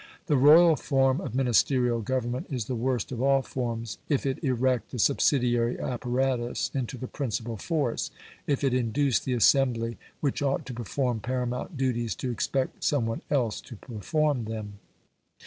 The royal form of Ministerial government is the worst of all forms if it erect the subsidiary apparatus into the principal force, if it induce the assembly which ought to perform paramount duties to expect some one else to perform them.